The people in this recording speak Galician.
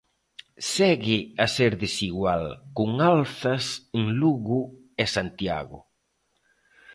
Segue a ser desigual, con alzas en Lugo e Santiago.